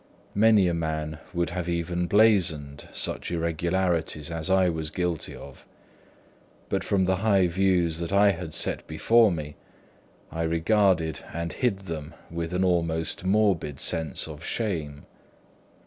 Many a man would have even blazoned such irregularities as I was guilty of; but from the high views that I had set before me, I regarded and hid them with an almost morbid sense of shame.